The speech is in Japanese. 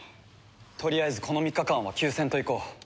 とりあえずこの３日間は休戦といこう。